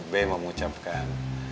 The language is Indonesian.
b mau mengucapkan